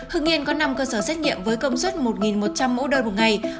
hưng yên có năm cơ sở xét nghiệm với công suất một một trăm linh mẫu đơn một ngày